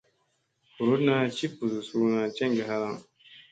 Vuruɗna ci ɓusu suuna jeŋge halaŋ.